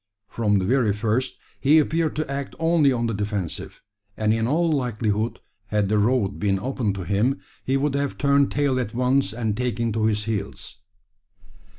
From the very first, he appeared to act only on the defensive; and in all likelihood, had the road been open to him, he would have turned tail at once, and taken to his heels.